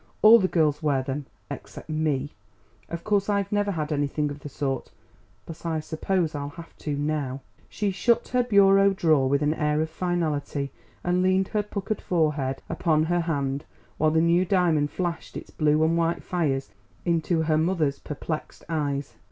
All the girls wear them except me. Of course I've never had anything of the sort; but I suppose I'll have to now!" She shut her bureau drawer with an air of finality and leaned her puckered forehead upon her hand while the new diamond flashed its blue and white fires into her mother's perplexed eyes.